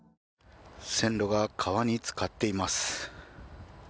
線路が川につかっています。